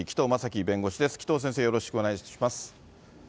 紀藤先生、よろしくお願いします。